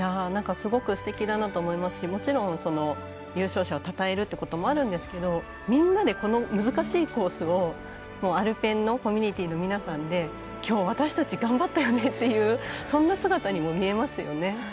すごく、すてきだなと思いますしもちろん、優勝者をたたえるっていうのもあるんですけどみんなでこの難しいコースをアルペンのコミュニティーの皆さんできょう、私たち頑張ったよねっていう姿にも見えますよね。